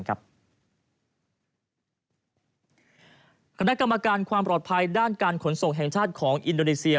คณะกรรมการความปลอดภัยด้านการขนส่งแห่งชาติของอินโดนีเซีย